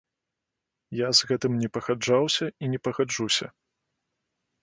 Я з гэтым не пагаджаўся і не пагаджуся.